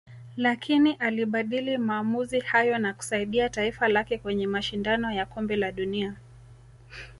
lakini alibadili maamuzi hayo na kusaidia taifa lake kwenye mashindano ya kombe la dunia